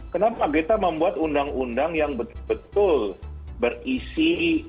kenapa kita membuat undang undang yang betul betul berisi